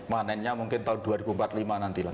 panennya mungkin tahun dua ribu empat puluh lima nanti lah